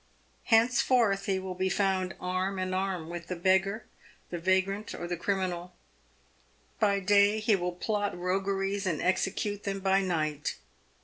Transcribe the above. Henceforth he will be found arm In arm with the beggar, the vagrant, or the criminal. By day he will plot rogueries, and execute them by night.